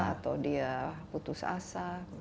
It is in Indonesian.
atau dia putus asa